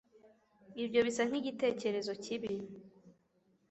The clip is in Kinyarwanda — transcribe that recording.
ibyo bisa nkigitekerezo kibi